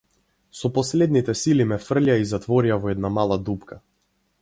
Со последните сили ме фрлија и затворија во една мала дупка.